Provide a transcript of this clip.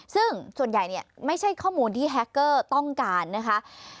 ซึ่งส่วนใหญ่เนี่ยไม่ใช่ข้อมูลที่แฮคเกอร์ต้องการนะคะ